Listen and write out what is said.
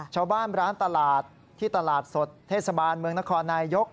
ชาวบ้านร้านตลาดที่ตลาดสดเทศบาลเมืองนครนายยก